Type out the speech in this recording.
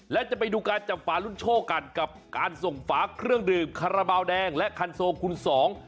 และจะไปดูการจับฝารุ่นโชคกันกับการส่งฝาเครื่องดื่มคาราบาลแดงและคันโซคุณสอง